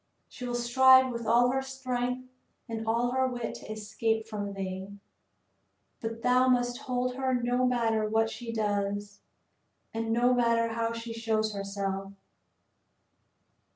She will strive with all her strength and all her wit to escape from thee; but thou must hold her no matter what she does, and no matter how she shows herself.